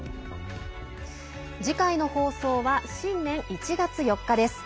次回の放送は新年１月４日です。